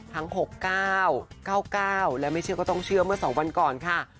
ทั้ง๖๙๙๙๙และไม่เชื่อก็ต้องเชื่อเมื่อ๒วันก่อนค่ะ